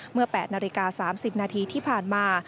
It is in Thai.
เมื่อ๘นาฬิกา๓๐นาทีที่ผ่านมา